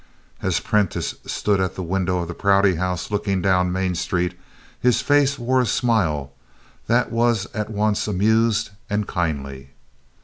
As Prentiss stood at the window of the Prouty House looking down Main Street, his face wore a smile that was at once amused and kindly.